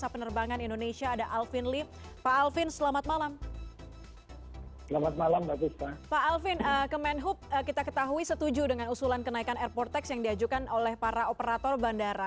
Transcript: pak alvin kemenhub kita ketahui setuju dengan usulan kenaikan airport tax yang diajukan oleh para operator bandara